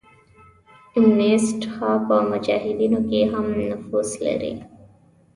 امینست ها په مجاهدینو کې هم نفوذ لري.